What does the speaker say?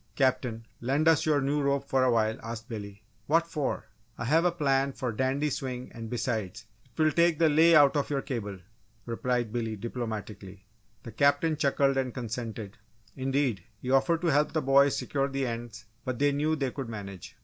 "Captain, lend us your new rope for a while?" asked Billy. "What for?" "I have a plan for a dandy swing and besides, it will take the 'lay' out of your cable," replied Billy, diplomatically. The Captain chuckled and consented indeed, he offered to help the boys secure the ends but they knew they could manage.